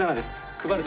配る